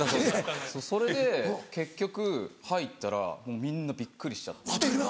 それで結局入ったらもうみんなびっくりしちゃって。